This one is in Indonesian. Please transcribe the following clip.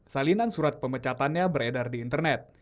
salinan surat pemecatannya beredar di internet